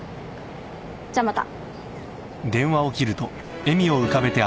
じゃあまた。